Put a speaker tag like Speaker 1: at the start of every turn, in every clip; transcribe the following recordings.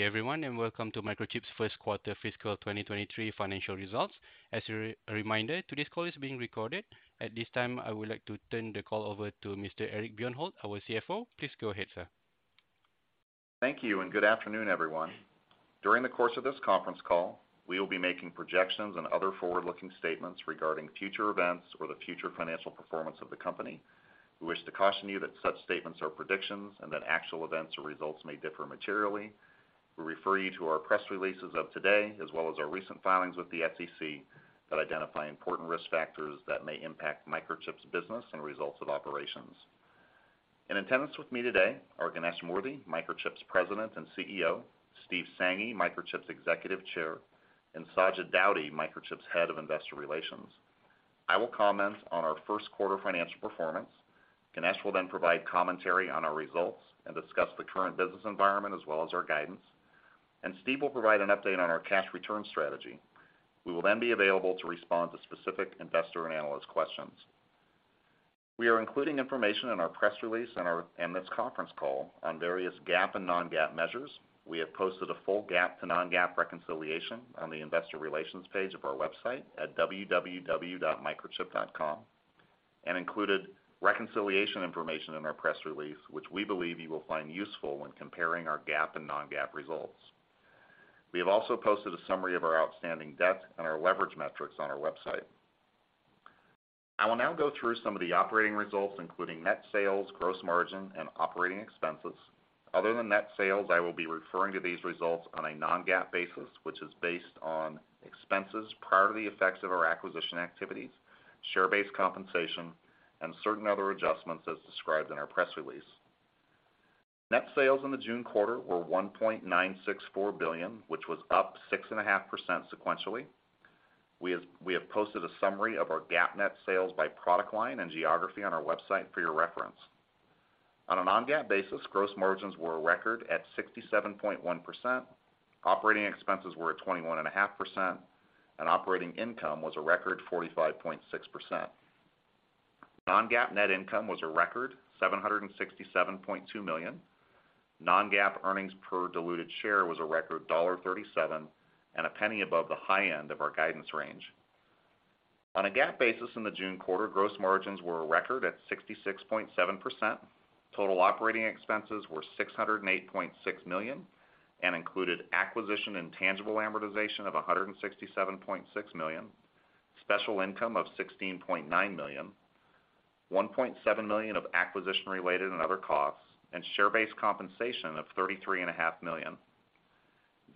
Speaker 1: Good day everyone, and welcome to Microchip's 1st quarter fiscal 2023 financial results. As a reminder, today's call is being recorded. At this time, I would like to turn the call over to Mr. Eric Bjornholt, our CFO. Please go ahead, sir.
Speaker 2: Thank you and good afternoon, everyone. During the course of this conference call, we will be making projections and other forward-looking statements regarding future events or the future financial performance of the company. We wish to caution you that such statements are predictions and that actual events or results may differ materially. We refer you to our press releases of today, as well as our recent filings with the SEC that identify important risk factors that may impact Microchip's business and results of operations. In attendance with me today are Ganesh Moorthy, Microchip's President and CEO, Steve Sanghi, Microchip's Executive Chair, and Sajid Daudi, Microchip's Head of Investor Relations. I will comment on our 1st quarter financial performance. Ganesh will then provide commentary on our results and discuss the current business environment as well as our guidance. Steve will provide an update on our cash return strategy. We will then be available to respond to specific investor and analyst questions. We are including information in our press release and this conference call on various GAAP and non-GAAP measures. We have posted a full GAAP to non-GAAP reconciliation on the investor relations page of our website at www.microchip.com and included reconciliation information in our press release, which we believe you will find useful when comparing our GAAP and non-GAAP results. We have also posted a summary of our outstanding debt and our leverage metrics on our website. I will now go through some of the operating results, including net sales, gross margin, and operating expenses. Other than net sales, I will be referring to these results on a non-GAAP basis, which is based on expenses prior to the effects of our acquisition activities, share-based compensation, and certain other adjustments as described in our press release. Net sales in the June quarter were $1.964 billion, which was up 6.5% sequentially. We have posted a summary of our GAAP net sales by product line and geography on our website for your reference. On a non-GAAP basis, gross margins were a record at 67.1%. Operating expenses were at 21.5%, and operating income was a record 45.6%. Non-GAAP net income was a record $767.2 million. Non-GAAP earnings per diluted share was a record $1.37 and a penny above the high end of our guidance range. On a GAAP basis in the June quarter, gross margins were a record at 66.7%. Total operating expenses were $608.6 million and included acquisition intangible amortization of $167.6 million, special income of $16.9 million, $1.7 million of acquisition-related and other costs, and share-based compensation of $33.5 million.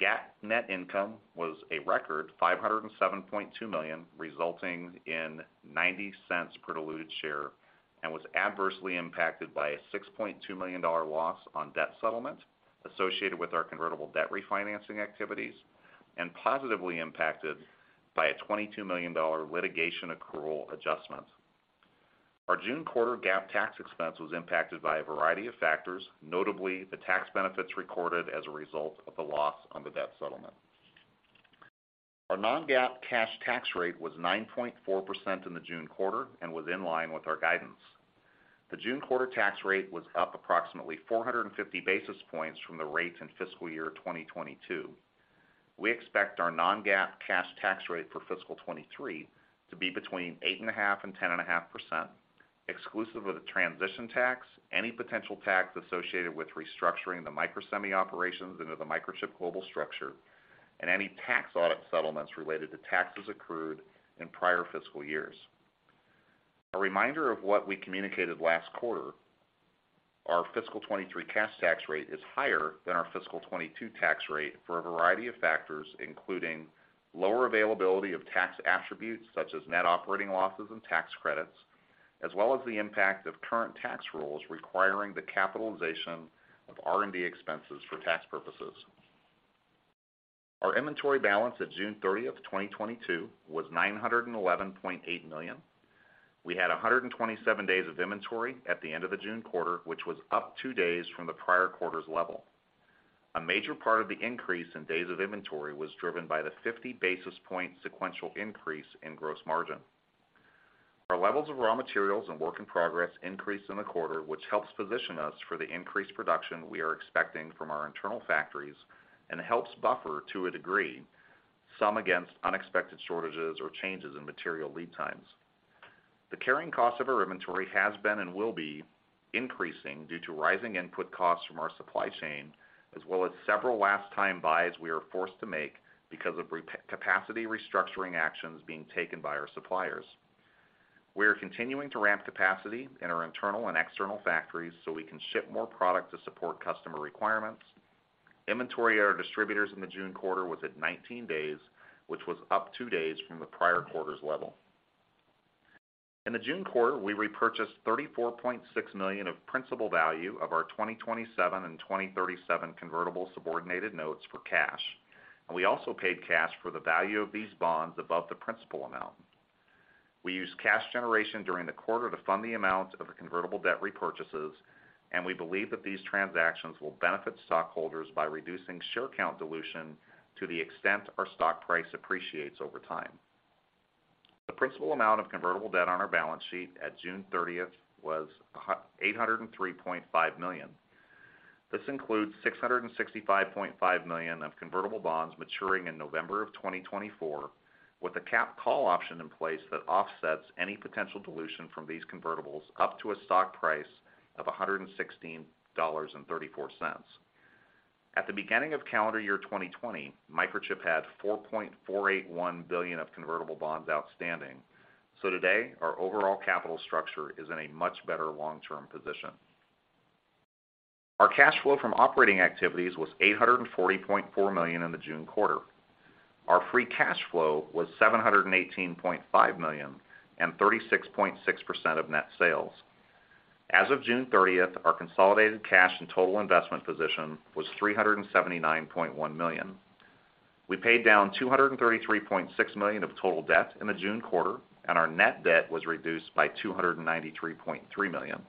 Speaker 2: GAAP net income was a record $507.2 million, resulting in $0.90 per diluted share, and was adversely impacted by a $6.2 million loss on debt settlement associated with our convertible debt refinancing activities and positively impacted by a $22 million litigation accrual adjustment. Our June quarter GAAP tax expense was impacted by a variety of factors, notably the tax benefits recorded as a result of the loss on the debt settlement. Our non-GAAP cash tax rate was 9.4% in the June quarter and was in line with our guidance. The June quarter tax rate was up approximately 450 basis points from the rates in fiscal year 2022. We expect our non-GAAP cash tax rate for fiscal 2023 to be between 8.5% and 10.5%, exclusive of the transition tax, any potential tax associated with restructuring the Microsemi operations into the Microchip global structure, and any tax audit settlements related to taxes accrued in prior fiscal years. A reminder of what we communicated last quarter, our fiscal 2023 cash tax rate is higher than our fiscal 2022 tax rate for a variety of factors, including lower availability of tax attributes such as net operating losses and tax credits, as well as the impact of current tax rules requiring the capitalization of R&D expenses for tax purposes. Our inventory balance at June 30, 2022 was $911.8 million. We had 127 days of inventory at the end of the June quarter, which was up two days from the prior quarter's level. A major part of the increase in days of inventory was driven by the 50 basis point sequential increase in gross margin. Our levels of raw materials and work in progress increased in the quarter, which helps position us for the increased production we are expecting from our internal factories and helps buffer, to a degree, some against unexpected shortages or changes in material lead times. The carrying cost of our inventory has been and will be increasing due to rising input costs from our supply chain, as well as several last-time buys we are forced to make because of capacity restructuring actions being taken by our suppliers. We are continuing to ramp capacity in our internal and external factories so we can ship more product to support customer requirements. Inventory at our distributors in the June quarter was at 19 days, which was up two days from the prior quarter's level. In the June quarter, we repurchased $34.6 million of principal value of our 2027 and 2037 convertible subordinated notes for cash, and we also paid cash for the value of these bonds above the principal amount. We used cash generation during the quarter to fund the amount of the convertible debt repurchases, and we believe that these transactions will benefit stockholders by reducing share count dilution to the extent our stock price appreciates over time. The principal amount of convertible debt on our balance sheet at June 30th was $803.5 million. This includes $665.5 million of convertible bonds maturing in November 2024, with a capped call option in place that offsets any potential dilution from these convertibles up to a stock price of $116.34. At the beginning of calendar year 2020, Microchip had $4.481 billion of convertible bonds outstanding. Today, our overall capital structure is in a much better long-term position. Our cash flow from operating activities was $840.4 million in the June quarter. Our free cash flow was $718.5 million and 36.6% of net sales. As of June thirtieth, our consolidated cash and total investment position was $379.1 million. We paid down $233.6 million of total debt in the June quarter, and our net debt was reduced by $293.3 million.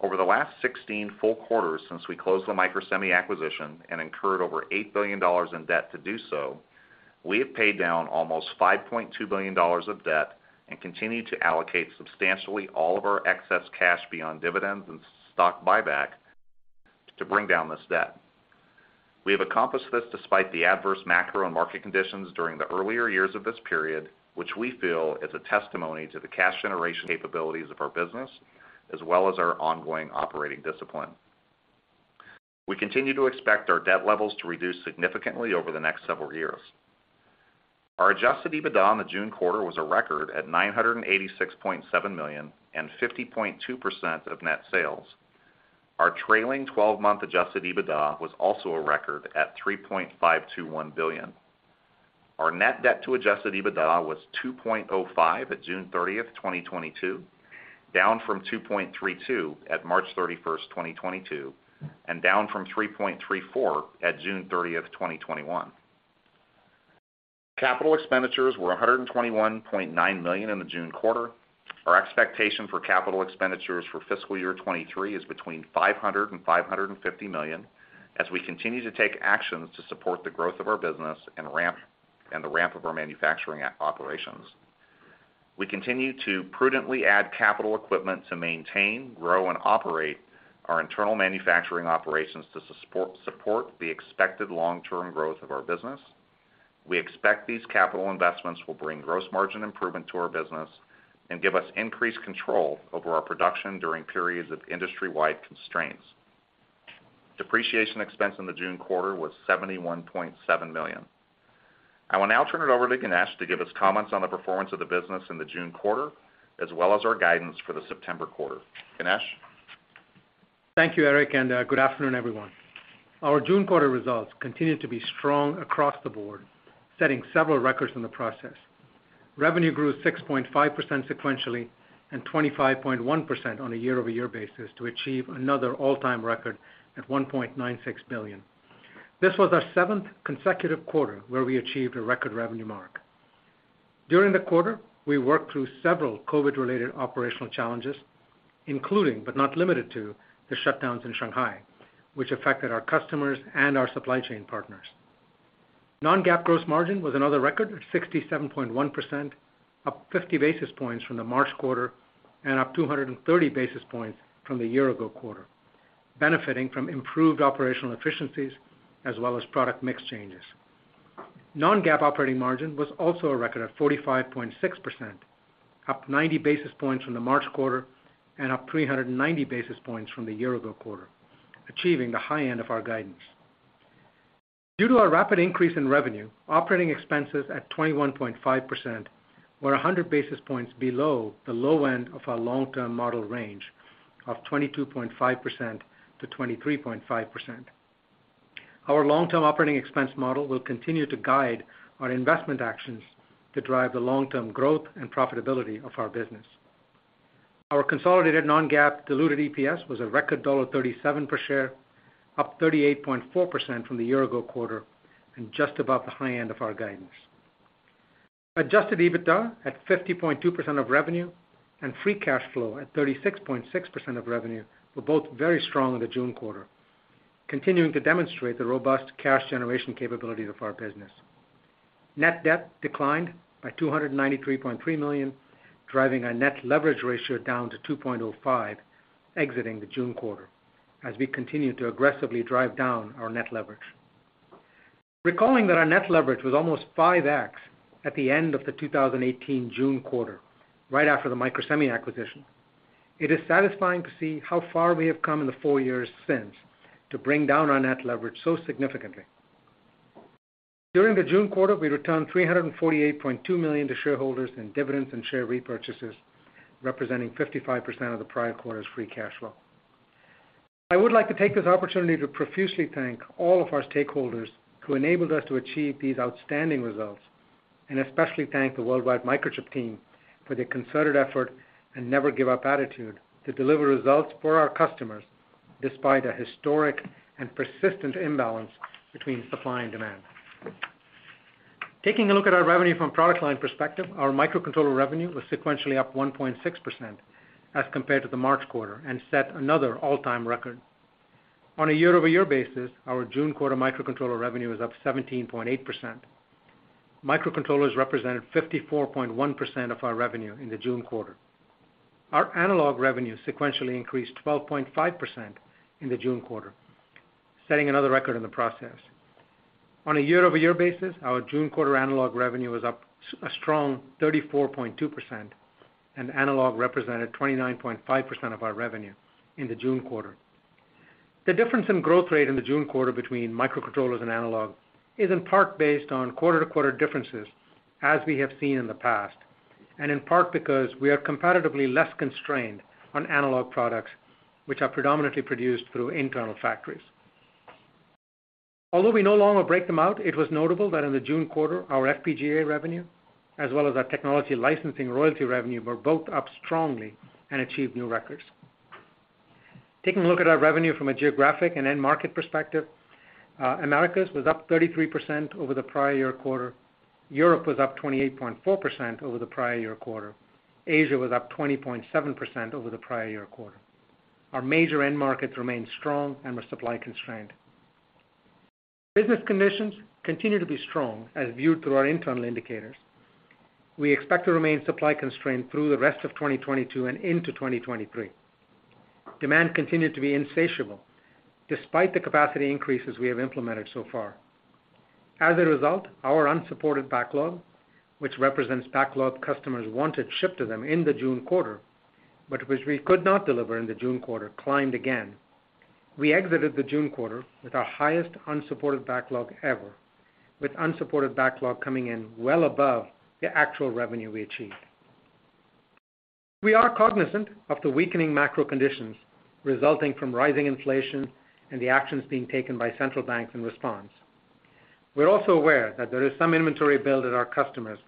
Speaker 2: Over the last 16 full quarters since we closed the Microsemi acquisition and incurred over $8 billion in debt to do so, we have paid down almost $5.2 billion of debt and continue to allocate substantially all of our excess cash beyond dividends and stock buyback to bring down this debt. We have accomplished this despite the adverse macro and market conditions during the earlier years of this period, which we feel is a testimony to the cash generation capabilities of our business, as well as our ongoing operating discipline. We continue to expect our debt levels to reduce significantly over the next several years. Our adjusted EBITDA in the June quarter was a record at $986.7 million and 50.2% of net sales. Our trailing twelve-month adjusted EBITDA was also a record at $3.521 billion. Our net debt to adjusted EBITDA was 2.05 at June 30, 2022, down from 2.32 at March 31, 2022, and down from 3.34 at June 30, 2021. Capital expenditures were $121.9 million in the June quarter. Our expectation for capital expenditures for fiscal year 2023 is between $500 million and $550 million as we continue to take actions to support the growth of our business and the ramp of our manufacturing operations. We continue to prudently add capital equipment to maintain, grow, and operate our internal manufacturing operations to support the expected long-term growth of our business. We expect these capital investments will bring gross margin improvement to our business and give us increased control over our production during periods of industry-wide constraints. Depreciation expense in the June quarter was $71.7 million. I will now turn it over to Ganesh to give us comments on the performance of the business in the June quarter, as well as our guidance for the September quarter. Ganesh?
Speaker 3: Thank you, Eric, and good afternoon, everyone. Our June quarter results continued to be strong across the board, setting several records in the process. Revenue grew 6.5% sequentially and 25.1% on a year-over-year basis to achieve another all-time record at $1.96 billion. This was our seventh consecutive quarter where we achieved a record revenue mark. During the quarter, we worked through several COVID-related operational challenges, including, but not limited to, the shutdowns in Shanghai, which affected our customers and our supply chain partners. Non-GAAP gross margin was another record at 67.1%, up 50 basis points from the March quarter and up 230 basis points from the year ago quarter, benefiting from improved operational efficiencies as well as product mix changes. Non-GAAP operating margin was also a record at 45.6%, up 90 basis points from the March quarter and up 390 basis points from the year ago quarter, achieving the high end of our guidance. Due to our rapid increase in revenue, operating expenses at 21.5% were 100 basis points below the low end of our long-term model range of 22.5%-23.5%. Our long-term operating expense model will continue to guide our investment actions to drive the long-term growth and profitability of our business. Our consolidated non-GAAP diluted EPS was a record $1.37 per share, up 38.4% from the year ago quarter and just above the high end of our guidance. Adjusted EBITDA at 50.2% of revenue and free cash flow at 36.6% of revenue were both very strong in the June quarter, continuing to demonstrate the robust cash generation capabilities of our business. Net debt declined by $293.3 million, driving our net leverage ratio down to 2.05 exiting the June quarter as we continue to aggressively drive down our net leverage. Recalling that our net leverage was almost 5x at the end of the 2018 June quarter, right after the Microsemi acquisition, it is satisfying to see how far we have come in the four years since to bring down our net leverage so significantly. During the June quarter, we returned $348.2 million to shareholders in dividends and share repurchases, representing 55% of the prior quarter's free cash flow. I would like to take this opportunity to profusely thank all of our stakeholders who enabled us to achieve these outstanding results, and especially thank the worldwide Microchip team for their concerted effort and never give up attitude to deliver results for our customers despite a historic and persistent imbalance between supply and demand. Taking a look at our revenue from a product line perspective, our microcontroller revenue was sequentially up 1.6% as compared to the March quarter and set another all-time record. On a year-over-year basis, our June quarter microcontroller revenue is up 17.8%. Microcontrollers represented 54.1% of our revenue in the June quarter. Our analog revenue sequentially increased 12.5% in the June quarter, setting another record in the process. On a year-over-year basis, our June quarter analog revenue was up a strong 34.2%, and analog represented 29.5% of our revenue in the June quarter. The difference in growth rate in the June quarter between microcontrollers and analog is in part based on quarter-to-quarter differences, as we have seen in the past, and in part because we are comparatively less constrained on analog products, which are predominantly produced through internal factories. Although we no longer break them out, it was notable that in the June quarter, our FPGA revenue, as well as our technology licensing royalty revenue, were both up strongly and achieved new records. Taking a look at our revenue from a geographic and end market perspective, Americas was up 33% over the prior year quarter. Europe was up 28.4% over the prior year quarter. Asia was up 20.7% over the prior year quarter. Our major end markets remained strong and were supply constrained. Business conditions continue to be strong as viewed through our internal indicators. We expect to remain supply constrained through the rest of 2022 and into 2023. Demand continued to be insatiable despite the capacity increases we have implemented so far. As a result, our unsupported backlog, which represents backlog customers wanted shipped to them in the June quarter, but which we could not deliver in the June quarter, climbed again. We exited the June quarter with our highest unsupported backlog ever, with unsupported backlog coming in well above the actual revenue we achieved. We are cognizant of the weakening macro conditions resulting from rising inflation and the actions being taken by central banks in response. We're also aware that there is some inventory build at our customers,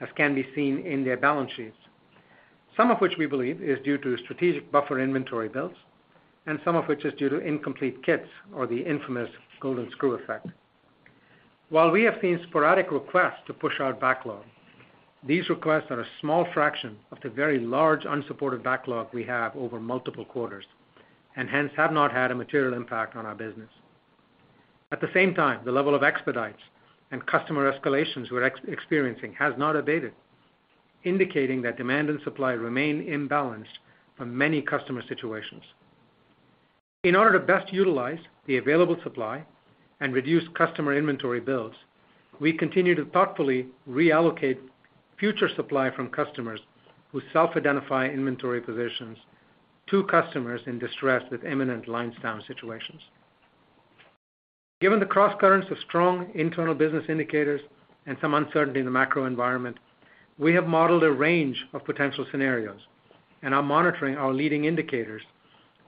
Speaker 3: as can be seen in their balance sheets, some of which we believe is due to strategic buffer inventory builds, and some of which is due to incomplete kits or the infamous golden screw effect. While we have seen sporadic requests to push our backlog, these requests are a small fraction of the very large unsupported backlog we have over multiple quarters, and hence have not had a material impact on our business. At the same time, the level of expedites and customer escalations we're experiencing has not abated, indicating that demand and supply remain imbalanced for many customer situations. In order to best utilize the available supply and reduce customer inventory builds, we continue to thoughtfully reallocate future supply from customers who self-identify inventory positions to customers in distress with imminent lines down situations. Given the crosscurrents of strong internal business indicators and some uncertainty in the macro environment, we have modeled a range of potential scenarios and are monitoring our leading indicators,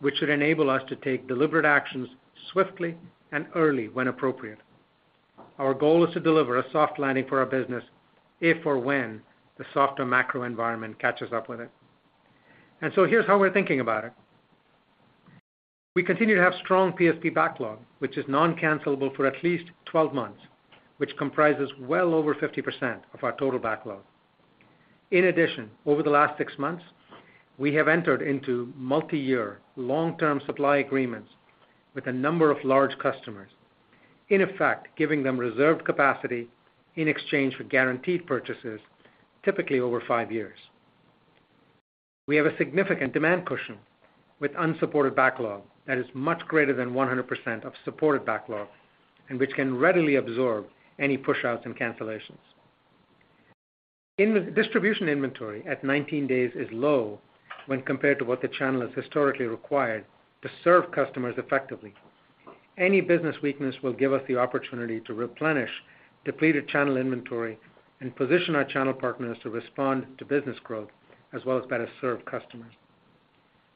Speaker 3: which should enable us to take deliberate actions swiftly and early when appropriate. Our goal is to deliver a soft landing for our business if or when the softer macro environment catches up with it. Here's how we're thinking about it. We continue to have strong PSP backlog, which is non-cancellable for at least 12 months, which comprises well over 50% of our total backlog. In addition, over the last 6 months, we have entered into multiyear long-term supply agreements with a number of large customers, in effect, giving them reserved capacity in exchange for guaranteed purchases, typically over 5 years. We have a significant demand cushion with unsupported backlog that is much greater than 100% of supported backlog and which can readily absorb any pushouts and cancellations. Distribution inventory at 19 days is low when compared to what the channel has historically required to serve customers effectively. Any business weakness will give us the opportunity to replenish depleted channel inventory and position our channel partners to respond to business growth as well as better serve customers.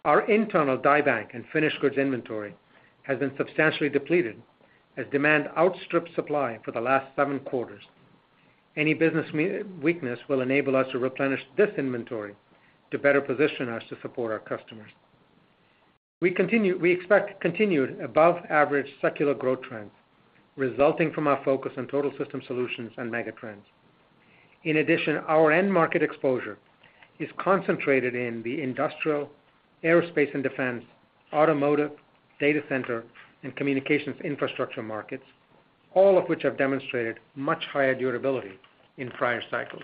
Speaker 3: Our internal die bank and finished goods inventory has been substantially depleted as demand outstripped supply for the last seven quarters. Any business weakness will enable us to replenish this inventory to better position us to support our customers. We expect continued above average secular growth trends resulting from our focus on total system solutions and mega trends. In addition, our end market exposure is concentrated in the industrial, aerospace and defense, automotive, data center, and communications infrastructure markets, all of which have demonstrated much higher durability in prior cycles.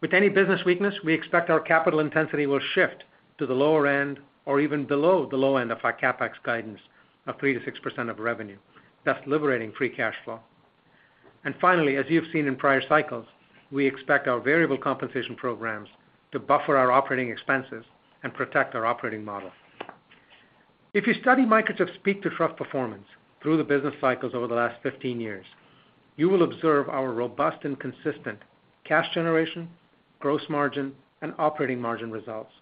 Speaker 3: With any business weakness, we expect our capital intensity will shift to the lower end or even below the low end of our CapEx guidance of 3%-6% of revenue, thus liberating free cash flow. Finally, as you have seen in prior cycles, we expect our variable compensation programs to buffer our operating expenses and protect our operating model. If you study Microchip's peak-to-trough performance through the business cycles over the last 15 years, you will observe our robust and consistent cash generation, gross margin, and operating margin results.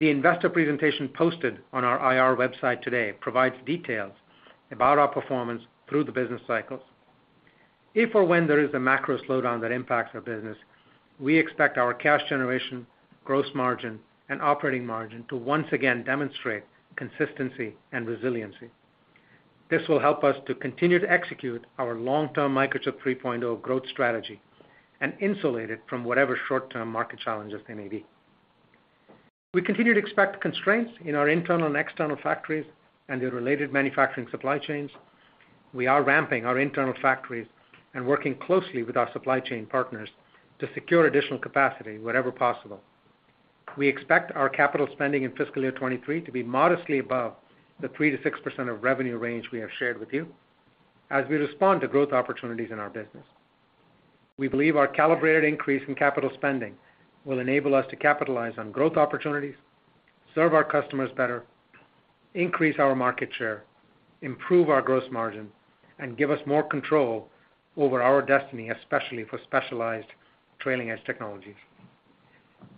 Speaker 3: The investor presentation posted on our IR website today provides details about our performance through the business cycles. If or when there is a macro slowdown that impacts our business, we expect our cash generation, gross margin, and operating margin to once again demonstrate consistency and resiliency. This will help us to continue to execute our long-term Microchip 3.0 growth strategy and insulate it from whatever short-term market challenges there may be. We continue to expect constraints in our internal and external factories and their related manufacturing supply chains. We are ramping our internal factories and working closely with our supply chain partners to secure additional capacity wherever possible. We expect our capital spending in fiscal year 2023 to be modestly above the 3%-6% of revenue range we have shared with you as we respond to growth opportunities in our business. We believe our calibrated increase in capital spending will enable us to capitalize on growth opportunities, serve our customers better, increase our market share, improve our gross margin, and give us more control over our destiny, especially for specialized trailing edge technologies.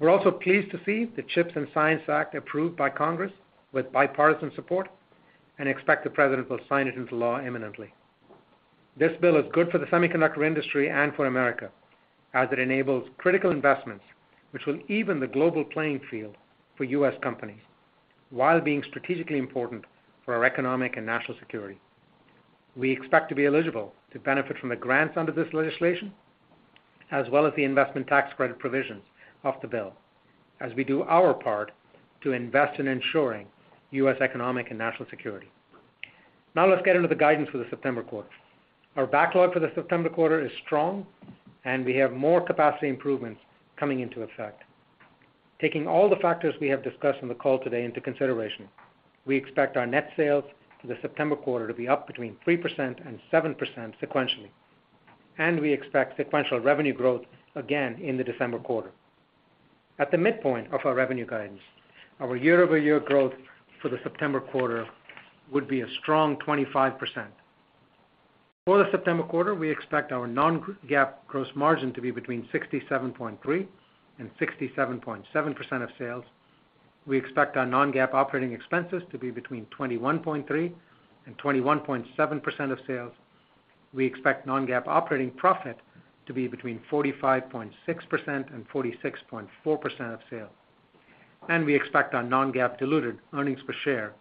Speaker 3: We're also pleased to see the CHIPS and Science Act approved by Congress with bipartisan support, and expect the President will sign it into law imminently. This bill is good for the semiconductor industry and for America, as it enables critical investments, which will even the global playing field for U.S. companies while being strategically important for our economic and national security. We expect to be eligible to benefit from the grants under this legislation, as well as the investment tax credit provisions of the bill, as we do our part to invest in ensuring U.S. economic and national security. Now let's get into the guidance for the September quarter. Our backlog for the September quarter is strong, and we have more capacity improvements coming into effect. Taking all the factors we have discussed on the call today into consideration, we expect our net sales for the September quarter to be up between 3% and 7% sequentially, and we expect sequential revenue growth again in the December quarter. At the midpoint of our revenue guidance, our year-over-year growth for the September quarter would be a strong 25%. For the September quarter, we expect our non-GAAP gross margin to be between 67.3% and 67.7% of sales. We expect our non-GAAP operating expenses to be between 21.3% and 21.7% of sales. We expect non-GAAP operating profit to be between 45.6% and 46.4% of sales. We expect our non-GAAP diluted earnings per share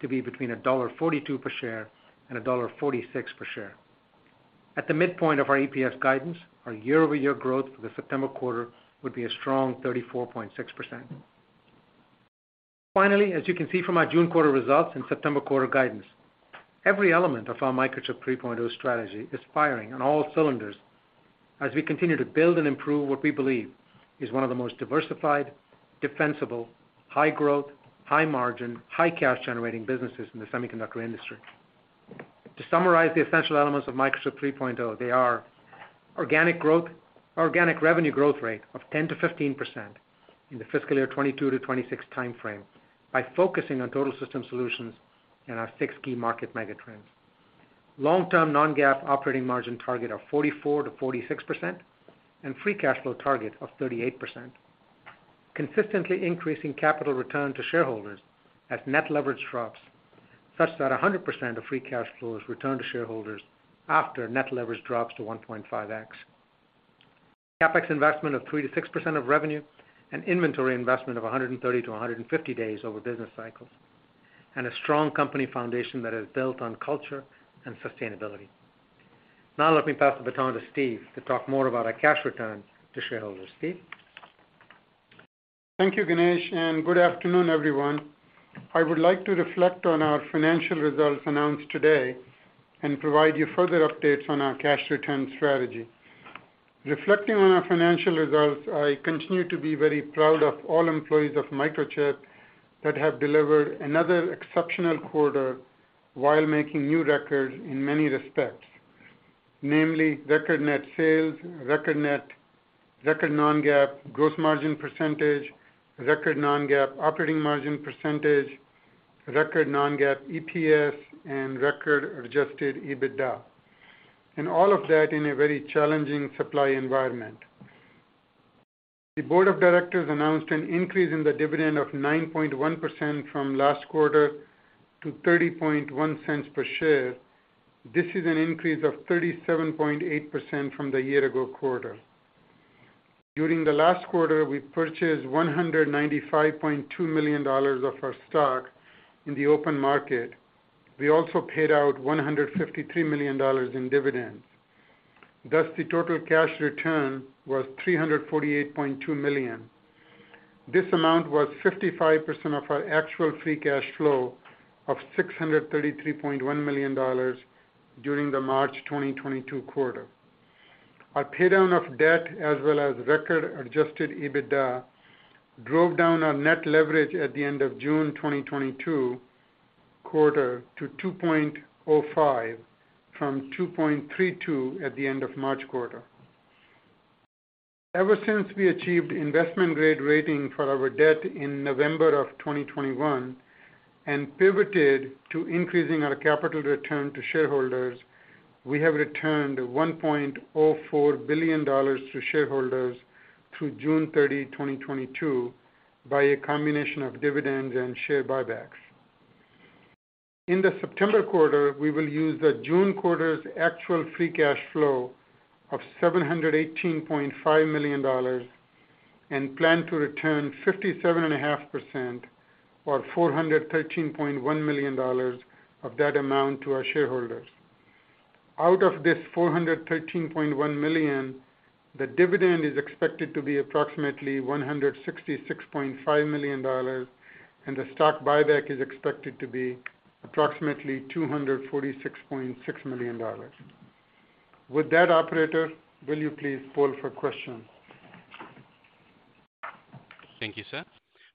Speaker 3: to be between $1.42 per share and $1.46 per share. At the midpoint of our EPS guidance, our year-over-year growth for the September quarter would be a strong 34.6%. Finally, as you can see from our June quarter results and September quarter guidance, every element of our Microchip 3.0 strategy is firing on all cylinders as we continue to build and improve what we believe is one of the most diversified, defensible, high-growth, high margin, high cash generating businesses in the semiconductor industry. To summarize the essential elements of Microchip 3.0, they are organic growth, organic revenue growth rate of 10%-15% in the fiscal year 2022-2026 timeframe by focusing on total system solutions in our six key market megatrends. Long-term non-GAAP operating margin target of 44%-46% and free cash flow target of 38%. Consistently increasing capital return to shareholders as net leverage drops, such that 100% of free cash flow is returned to shareholders after net leverage drops to 1.5x. CapEx investment of 3%-6% of revenue and inventory investment of 130-150 days over business cycles. A strong company foundation that is built on culture and sustainability. Now let me pass the baton to Steve to talk more about our cash return to shareholders. Steve?
Speaker 4: Thank you, Ganesh, and good afternoon, everyone. I would like to reflect on our financial results announced today and provide you further updates on our cash return strategy. Reflecting on our financial results, I continue to be very proud of all employees of Microchip that have delivered another exceptional quarter while making new records in many respects, namely record net sales, record non-GAAP gross margin percentage, record non-GAAP operating margin percentage, record non-GAAP EPS, and record adjusted EBITDA. All of that in a very challenging supply environment. The board of directors announced an increase in the dividend of 9.1% from last quarter to $0.301 per share. This is an increase of 37.8% from the year ago quarter. During the last quarter, we purchased $195.2 million of our stock in the open market. We also paid out $153 million in dividends. Thus, the total cash return was $348.2 million. This amount was 55% of our actual free cash flow of $633.1 million during the March 2022 quarter. Our pay down of debt as well as record adjusted EBITDA drove down our net leverage at the end of June 2022 quarter to 2.05 from 2.32 at the end of March quarter. Ever since we achieved investment grade rating for our debt in November 2021 and pivoted to increasing our capital return to shareholders, we have returned $1.04 billion to shareholders through June 30, 2022, by a combination of dividends and share buybacks. In the September quarter, we will use the June quarter's actual free cash flow of $718.5 million. Plan to return 57.5% or $413.1 million of that amount to our shareholders. Out of this $413.1 million, the dividend is expected to be approximately $166.5 million, and the stock buyback is expected to be approximately $246.6 million. With that, operator, will you please poll for questions?
Speaker 1: Thank you, sir.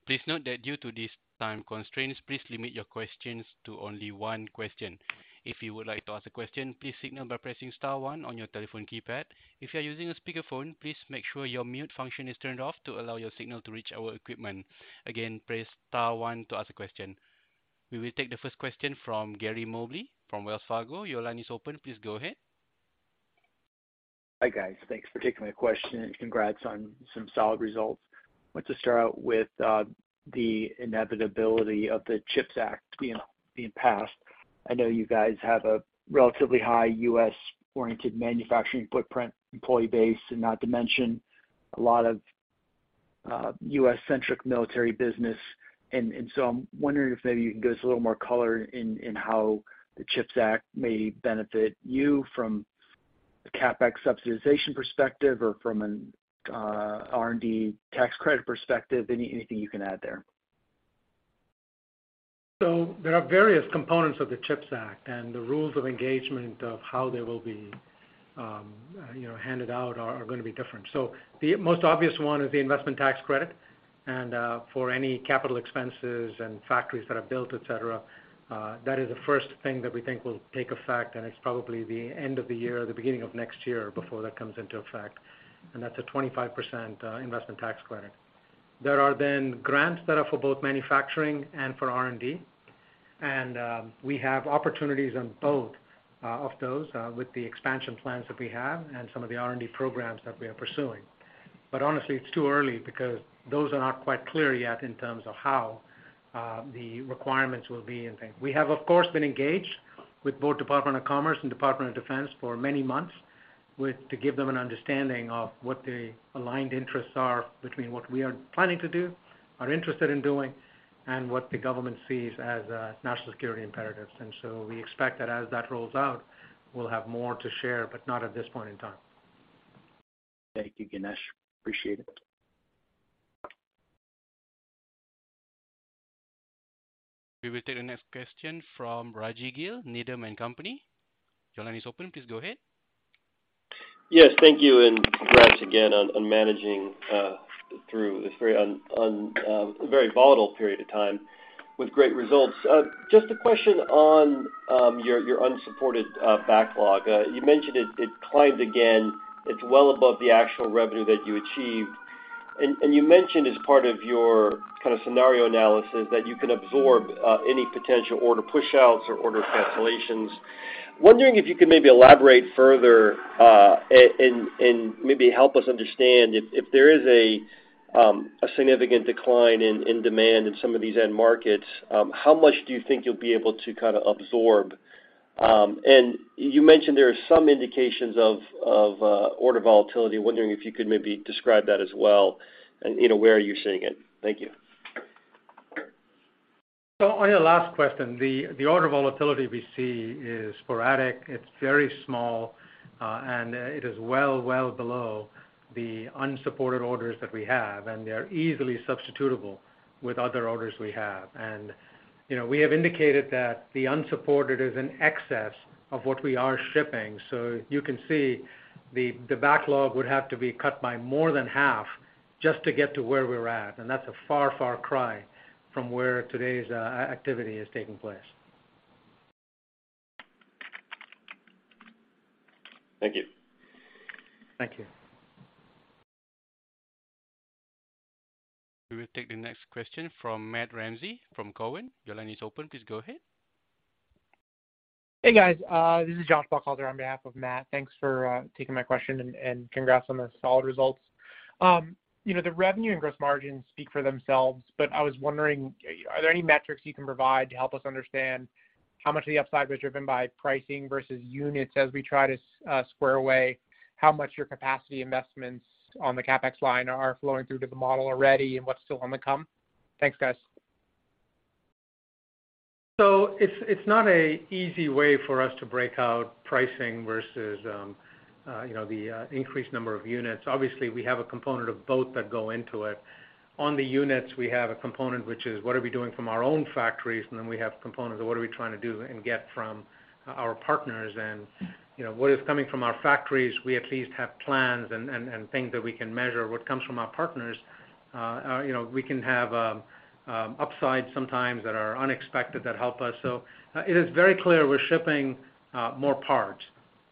Speaker 1: Please note that due to these time constraints, please limit your questions to only one question. If you would like to ask a question, please signal by pressing star one on your telephone keypad. If you are using a speakerphone, please make sure your mute function is turned off to allow your signal to reach our equipment. Again, press star one to ask a question. We will take the first question from Gary Mobley from Wells Fargo. Your line is open. Please go ahead.
Speaker 5: Hi, guys. Thanks for taking my question, and congrats on some solid results. Want to start out with the inevitability of the CHIPS Act, you know, being passed. I know you guys have a relatively high U.S.-oriented manufacturing footprint employee base, and not to mention a lot of U.S.-centric military business. So I'm wondering if maybe you can give us a little more color in how the CHIPS Act may benefit you from the CapEx subsidization perspective or from an R&D tax credit perspective. Anything you can add there.
Speaker 3: There are various components of the CHIPS Act, and the rules of engagement of how they will be handed out are gonna be different. The most obvious one is the investment tax credit and for any capital expenses and factories that are built, et cetera, that is the first thing that we think will take effect, and it's probably the end of the year or the beginning of next year before that comes into effect, and that's a 25% investment tax credit. There are then grants that are for both manufacturing and for R&D. We have opportunities on both of those with the expansion plans that we have and some of the R&D programs that we are pursuing. Honestly, it's too early because those are not quite clear yet in terms of how the requirements will be and things. We have, of course, been engaged with both Department of Commerce and Department of Defense for many months to give them an understanding of what the aligned interests are between what we are planning to do, are interested in doing, and what the government sees as national security imperatives. We expect that as that rolls out, we'll have more to share, but not at this point in time.
Speaker 5: Thank you, Ganesh. Appreciate it.
Speaker 1: We will take the next question from Rajvindra Gill, Needham & Company. Your line is open. Please go ahead.
Speaker 6: Yes, thank you, and congrats again on managing through this very volatile period of time with great results. Just a question on your unshipped backlog. You mentioned it climbed again. It's well above the actual revenue that you achieved. You mentioned as part of your kind of scenario analysis that you can absorb any potential order push-outs or order cancellations. Wondering if you could maybe elaborate further, and maybe help us understand if there is a significant decline in demand in some of these end markets, how much do you think you'll be able to kinda absorb? You mentioned there are some indications of order volatility. Wondering if you could maybe describe that as well and you know, where are you seeing it? Thank you.
Speaker 3: On your last question, the order volatility we see is sporadic. It's very small, and it is well below the unsupported orders that we have, and they're easily substitutable with other orders we have. You know, we have indicated that the unsupported is in excess of what we are shipping. You can see the backlog would have to be cut by more than half just to get to where we're at, and that's a far, far cry from where today's activity is taking place.
Speaker 6: Thank you.
Speaker 3: Thank you.
Speaker 1: We will take the next question from Matt Ramsay from Cowen. Your line is open. Please go ahead.
Speaker 7: Hey, guys. This is Josh Buchalter on behalf of Matt. Thanks for taking my question and congrats on the solid results. You know, the revenue and gross margins speak for themselves, but I was wondering, are there any metrics you can provide to help us understand how much of the upside was driven by pricing versus units as we try to square away how much your capacity investments on the CapEx line are flowing through to the model already and what's still on the come? Thanks, guys.
Speaker 3: It's not an easy way for us to break out pricing versus, you know, the increased number of units. Obviously, we have a component of both that go into it. On the units, we have a component which is what are we doing from our own factories, and then we have components of what are we trying to do and get from our partners. You know, what is coming from our factories, we at least have plans and things that we can measure. What comes from our partners, you know, we can have upsides sometimes that are unexpected that help us. It is very clear we're shipping more parts,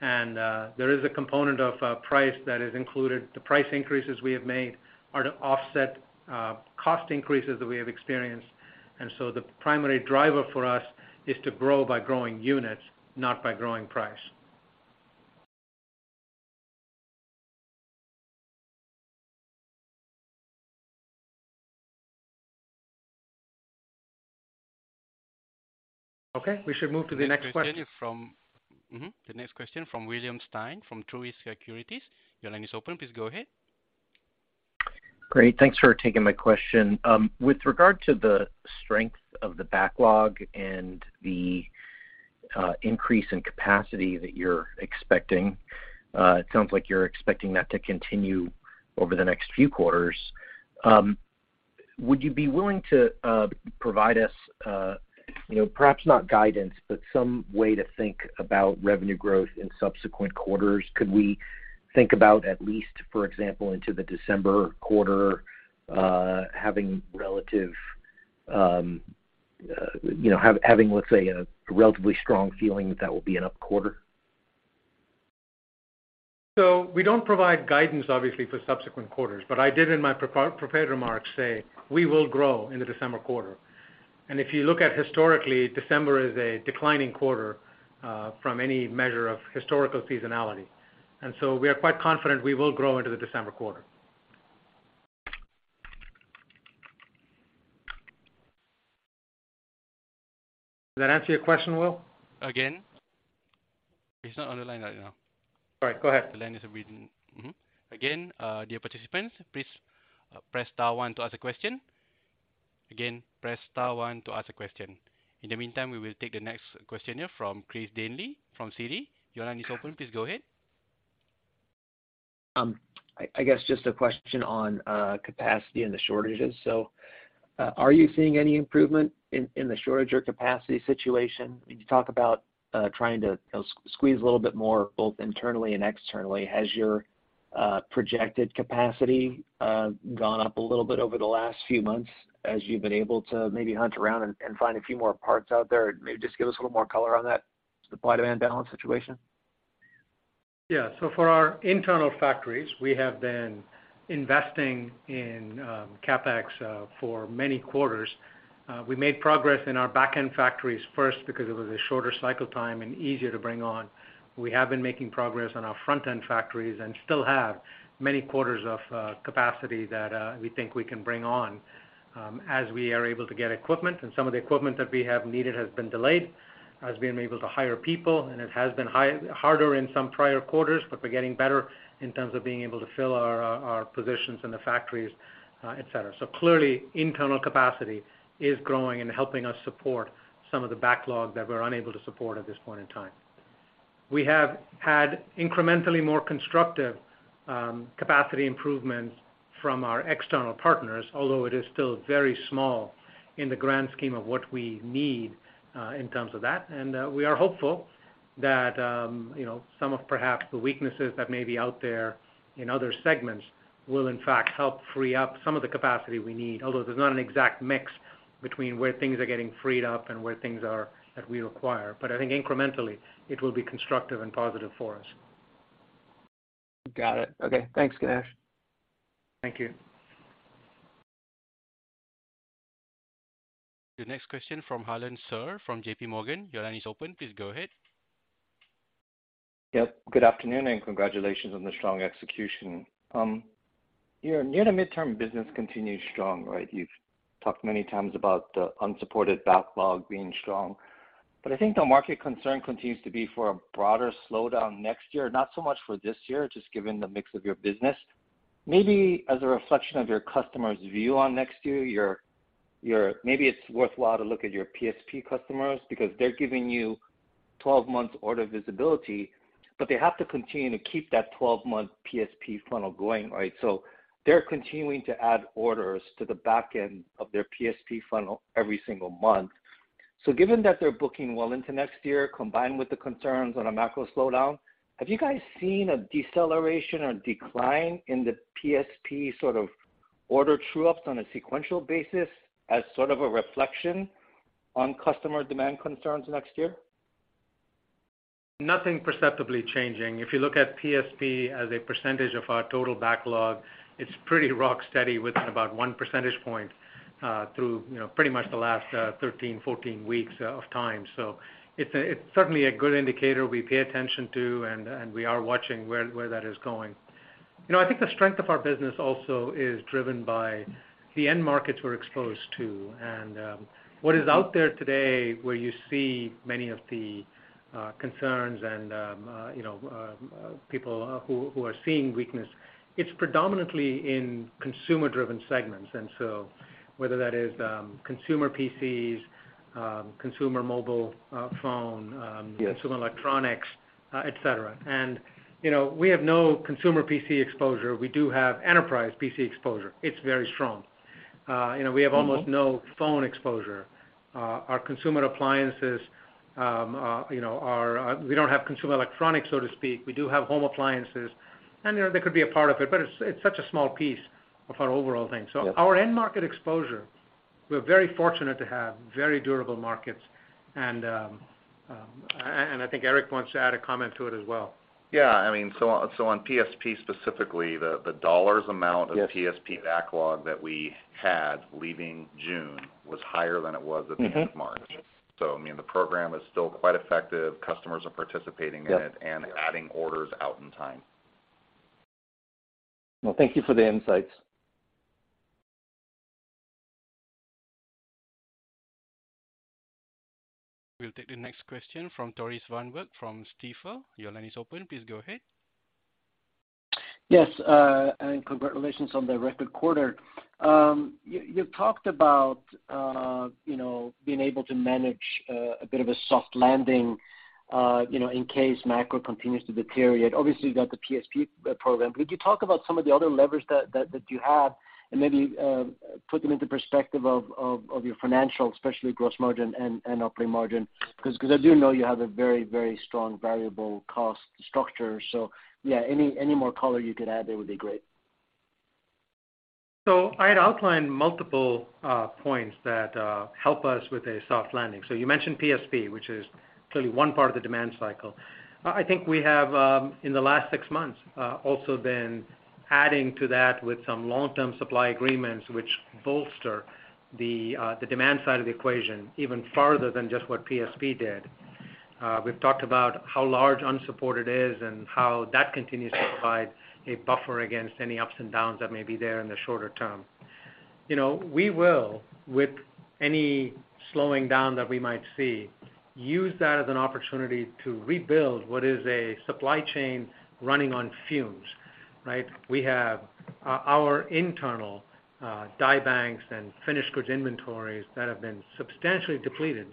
Speaker 3: and there is a component of price that is included. The price increases we have made are to offset, cost increases that we have experienced. The primary driver for us is to grow by growing units, not by growing price. Okay. We should move to the next question.
Speaker 1: The next question from William Stein from Truist Securities. Your line is open. Please go ahead.
Speaker 8: Great. Thanks for taking my question. With regard to the strength of the backlog and the increase in capacity that you're expecting, it sounds like you're expecting that to continue over the next few quarters. Would you be willing to provide us, you know, perhaps not guidance, but some way to think about revenue growth in subsequent quarters? Could we think about at least, for example, into the December quarter, having, you know, let's say, a relatively strong feeling that that will be an up quarter?
Speaker 3: We don't provide guidance, obviously, for subsequent quarters, but I did in my prepared remarks say we will grow in the December quarter. If you look at historically, December is a declining quarter, from any measure of historical seasonality. We are quite confident we will grow into the December quarter. Does that answer your question, William?
Speaker 1: Again, he's not on the line right now.
Speaker 3: All right, go ahead.
Speaker 1: The line is awaiting. Again, dear participants, please, press star one to ask a question. Again, press star one to ask a question. In the meantime, we will take the next question here from Christopher Danely from Citi. Your line is open. Please go ahead.
Speaker 9: I guess just a question on capacity and the shortages. Are you seeing any improvement in the shortage or capacity situation? When you talk about trying to, you know, squeeze a little bit more both internally and externally, has your projected capacity gone up a little bit over the last few months as you've been able to maybe hunt around and find a few more parts out there? Maybe just give us a little more color on that supply demand balance situation.
Speaker 3: Yeah. For our internal factories, we have been investing in CapEx for many quarters. We made progress in our back-end factories first because it was a shorter cycle time and easier to bring on. We have been making progress on our front-end factories and still have many quarters of capacity that we think we can bring on as we are able to get equipment, and some of the equipment that we have needed has been delayed. As we've been able to hire people, and it has been harder in some prior quarters, but we're getting better in terms of being able to fill our positions in the factories, et cetera. Clearly, internal capacity is growing and helping us support some of the backlog that we're unable to support at this point in time. We have had incrementally more constructive, capacity improvements from our external partners, although it is still very small in the grand scheme of what we need, in terms of that. We are hopeful that, you know, some of perhaps the weaknesses that may be out there in other segments will in fact help free up some of the capacity we need. Although there's not an exact mix between where things are getting freed up and where things are that we require. I think incrementally it will be constructive and positive for us.
Speaker 9: Got it. Okay. Thanks, Ganesh.
Speaker 3: Thank you.
Speaker 1: The next question from Harlan Sur from JPMorgan. Your line is open. Please go ahead.
Speaker 10: Yep, good afternoon, and congratulations on the strong execution. Your near- to mid-term business continues strong, right? You've talked many times about the unshipped backlog being strong, but I think the market concern continues to be for a broader slowdown next year, not so much for this year, just given the mix of your business. Maybe as a reflection of your customers' view on next year, maybe it's worthwhile to look at your PSP customers because they're giving you 12 months order visibility, but they have to continue to keep that 12-month PSP funnel going, right? They're continuing to add orders to the back end of their PSP funnel every single month. Given that they're booking well into next year, combined with the concerns on a macro slowdown, have you guys seen a deceleration or decline in the PSP sort of order true ups on a sequential basis as sort of a reflection on customer demand concerns next year?
Speaker 3: Nothing perceptibly changing. If you look at PSP as a percentage of our total backlog, it's pretty rock steady within about one percentage point through, you know, pretty much the last 13, 14 weeks of time. It's certainly a good indicator we pay attention to, and we are watching where that is going. You know, I think the strength of our business also is driven by the end markets we're exposed to. What is out there today, where you see many of the concerns and, you know, people who are seeing weakness, it's predominantly in consumer-driven segments. Whether that is consumer PCs, consumer mobile phone.
Speaker 10: Yes.
Speaker 3: Consumer electronics, et cetera. You know, we have no consumer PC exposure. We do have enterprise PC exposure. It's very strong. You know, we have almost no phone exposure. Our consumer appliances, you know, we don't have consumer electronics, so to speak. We do have home appliances. You know, they could be a part of it, but it's such a small piece of our overall thing.
Speaker 10: Yep.
Speaker 3: Our end market exposure, we're very fortunate to have very durable markets. I think Eric wants to add a comment to it as well.
Speaker 2: Yeah, I mean, so on PSP specifically, the dollar amount-
Speaker 3: Yes.
Speaker 2: Of PSP backlog that we had leaving June was higher than it was at the end of March.
Speaker 3: Mm-hmm.
Speaker 2: I mean, the program is still quite effective. Customers are participating in it.
Speaker 3: Yep.
Speaker 2: Adding orders out in time.
Speaker 3: Well, thank you for the insights.
Speaker 1: We'll take the next question from Tore Svanberg from Stifel. Your line is open. Please go ahead.
Speaker 11: Yes, and congratulations on the record quarter. You talked about, you know, being able to manage a bit of a soft landing, you know, in case macro continues to deteriorate. Obviously, you got the PSP program. Could you talk about some of the other levers that you have and maybe put them into perspective of your financial, especially gross margin and operating margin? 'Cause I do know you have a very, very strong variable cost structure. So yeah, any more color you could add there would be great.
Speaker 3: I had outlined multiple points that help us with a soft landing. You mentioned PSP, which is clearly one part of the demand cycle. I think we have in the last six months also been adding to that with some long-term supply agreements which bolster the demand side of the equation even farther than just what PSP did. We've talked about how large unallocated is and how that continues to provide a buffer against any ups and downs that may be there in the shorter term. You know, we will with any slowing down that we might see use that as an opportunity to rebuild what is a supply chain running on fumes, right? We have our internal die banks and finished goods inventories that have been substantially depleted.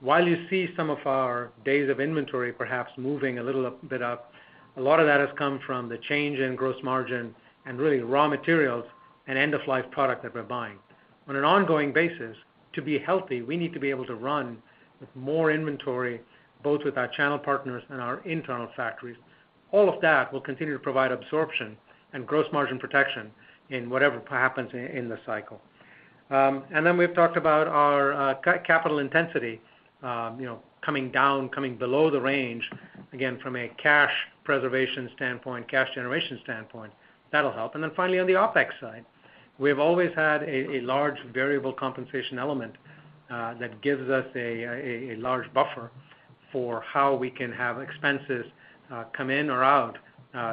Speaker 3: While you see some of our days of inventory perhaps moving a little bit up, a lot of that has come from the change in gross margin and really raw materials and end-of-life product that we're buying. On an ongoing basis, to be healthy, we need to be able to run with more inventory, both with our channel partners and our internal factories. All of that will continue to provide absorption and gross margin protection in whatever happens in the cycle. We've talked about our capital intensity, you know, coming down, coming below the range, again, from a cash preservation standpoint, cash generation standpoint, that'll help. Finally, on the OpEx side, we've always had a large variable compensation element that gives us a large buffer for how we can have expenses come in or out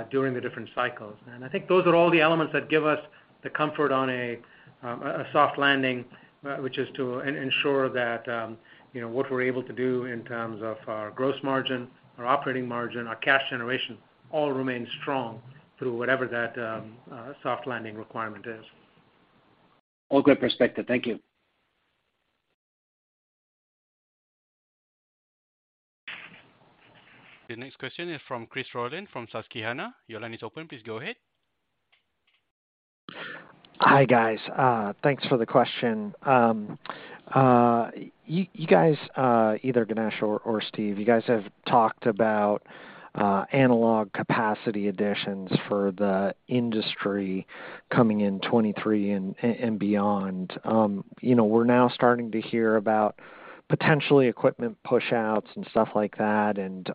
Speaker 3: during the different cycles. I think those are all the elements that give us the comfort on a soft landing, which is to ensure that you know what we're able to do in terms of our gross margin, our operating margin, our cash generation, all remain strong through whatever that soft landing requirement is.
Speaker 11: All good perspective. Thank you.
Speaker 1: The next question is from Christopher Rolland from Susquehanna. Your line is open. Please go ahead.
Speaker 12: Hi, guys. Thanks for the question. You guys, either Ganesh or Steve, you guys have talked about analog capacity additions for the industry coming in 2023 and beyond. You know, we're now starting to hear about potentially equipment push-outs and stuff like that and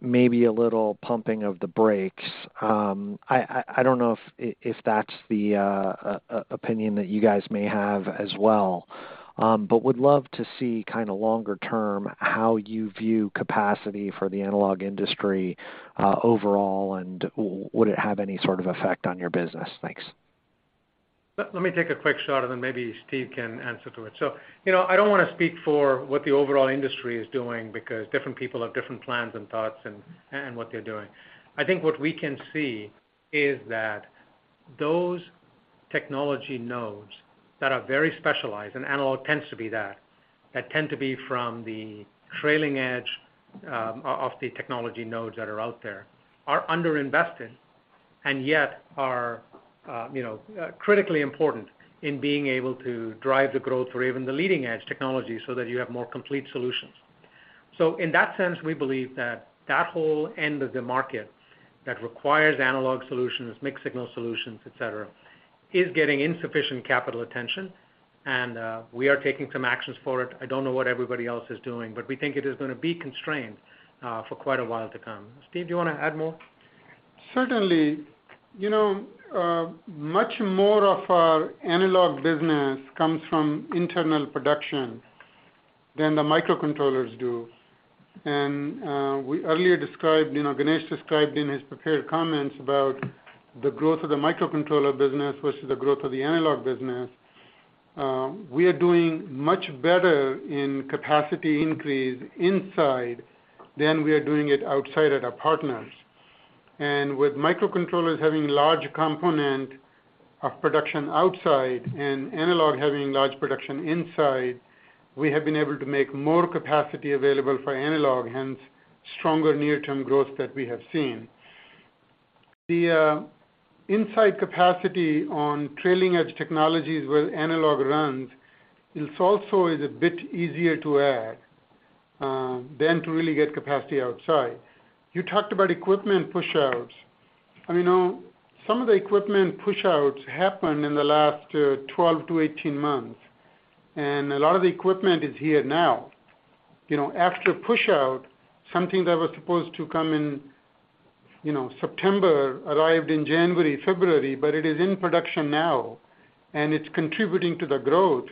Speaker 12: maybe a little pumping of the brakes. I don't know if that's the opinion that you guys may have as well, but would love to see kinda longer term how you view capacity for the analog industry overall, and would it have any sort of effect on your business? Thanks.
Speaker 3: Let me take a quick shot and then maybe Steve can answer to it. You know, I don't wanna speak for what the overall industry is doing because different people have different plans and thoughts and what they're doing. I think what we can see is that those technology nodes that are very specialized, and analog tends to be that tend to be from the trailing edge of the technology nodes that are out there, are underinvested and yet are, you know, critically important in being able to drive the growth for even the leading-edge technology so that you have more complete solutions. In that sense, we believe that that whole end of the market that requires analog solutions, mixed-signal solutions, et cetera, is getting insufficient capital attention, and we are taking some actions for it. I don't know what everybody else is doing, but we think it is gonna be constrained, for quite a while to come. Steve, do you wanna add more?
Speaker 4: Certainly. You know, much more of our analog business comes from internal production than the microcontrollers do. We earlier described, you know, Ganesh described in his prepared comments about the growth of the microcontroller business versus the growth of the analog business. We are doing much better in capacity increase inside than we are doing it outside at our partners. With microcontrollers having large component of production outside and analog having large production inside, we have been able to make more capacity available for analog, hence stronger near-term growth that we have seen. The inside capacity on trailing edge technologies where analog runs is also a bit easier to add than to really get capacity outside. You talked about equipment pushouts. I mean, some of the equipment pushouts happened in the last 12-18 months, and a lot of the equipment is here now. You know, after pushout, something that was supposed to come in, you know, September, arrived in January, February, but it is in production now, and it's contributing to the growth.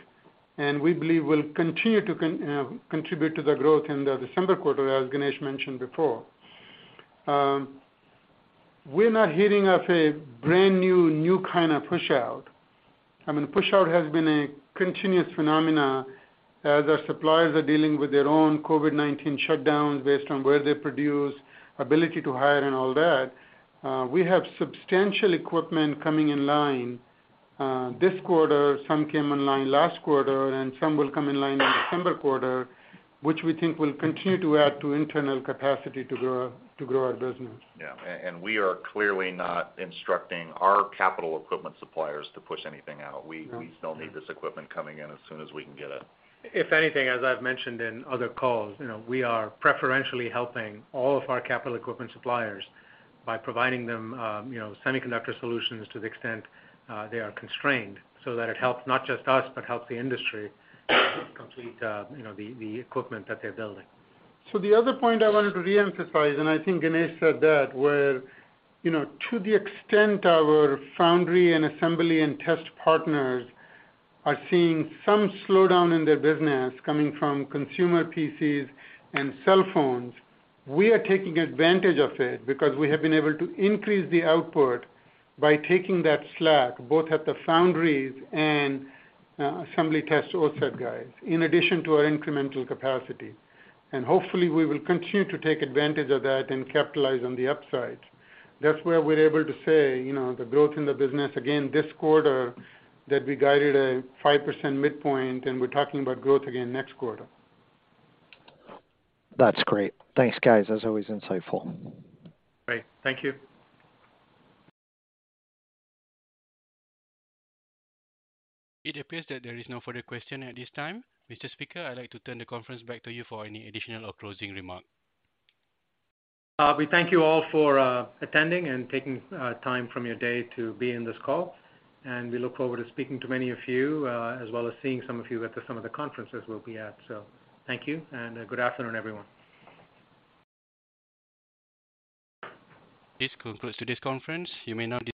Speaker 4: We believe will continue to contribute to the growth in the December quarter, as Ganesh mentioned before. We're not hearing of a brand-new, new kind of pushout. I mean, pushout has been a continuous phenomenon as our suppliers are dealing with their own COVID-19 shutdowns based on where they produce, ability to hire, and all that. We have substantial equipment coming in line this quarter. Some came in line last quarter, and some will come in line in December quarter, which we think will continue to add to internal capacity to grow our business.
Speaker 2: We are clearly not instructing our capital equipment suppliers to push anything out. We still need this equipment coming in as soon as we can get it.
Speaker 3: If anything, as I've mentioned in other calls, you know, we are preferentially helping all of our capital equipment suppliers by providing them, you know, semiconductor solutions to the extent they are constrained, so that it helps not just us but helps the industry complete, you know, the equipment that they're building.
Speaker 4: The other point I wanted to re-emphasize, and I think Ganesh said that, where, you know, to the extent our foundry and assembly and test partners are seeing some slowdown in their business coming from consumer PCs and cell phones, we are taking advantage of it because we have been able to increase the output by taking that slack, both at the foundries and assembly test offset guides, in addition to our incremental capacity. Hopefully, we will continue to take advantage of that and capitalize on the upsides. That's where we're able to say, you know, the growth in the business again this quarter, that we guided a 5% midpoint, and we're talking about growth again next quarter.
Speaker 12: That's great. Thanks, guys. That was always insightful.
Speaker 3: Great. Thank you.
Speaker 1: It appears that there is no further question at this time. Mr. Speaker, I'd like to turn the conference back to you for any additional or closing remark.
Speaker 3: We thank you all for attending and taking time from your day to be in this call, and we look forward to speaking to many of you as well as seeing some of you at some of the conferences we'll be at. Thank you, and good afternoon, everyone.
Speaker 1: This concludes today's conference. You may now disconnect.